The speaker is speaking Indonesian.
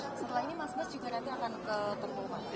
setelah ini mas bas juga nanti akan ke teguhumar